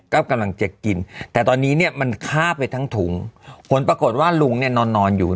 ก็กำลังจะกินแต่ตอนนี้เนี่ยมันฆ่าไปทั้งถุงผลปรากฏว่าลุงเนี่ยนอนนอนอยู่